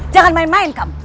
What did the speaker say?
jangan main main kamu